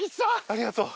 ありがとう。